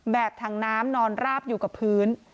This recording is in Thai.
ถังน้ำนอนราบอยู่กับพื้น